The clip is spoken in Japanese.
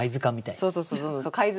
そうそうそう貝塚。